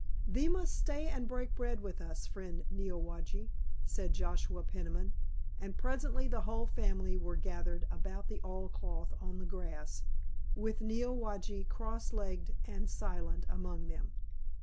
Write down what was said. "Thee must stay and break bread with us, friend Neowage," said Joshua Peniman; and presently the whole family were gathered about the oilcloth on the grass, with Neowage cross legged and silent among them.